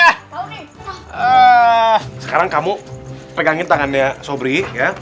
eh sekarang kamu pegangin tangannya sobri ya